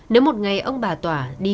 nếu một ngày ông bà tỏa đi xa